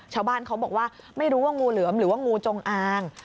ชาวบ้านเขาบอกว่าไม่รู้ว่างูเหลือมหรือว่างูจงอาง